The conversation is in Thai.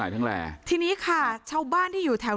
ไม่อยากให้มองแบบนั้นจบดราม่าสักทีได้ไหม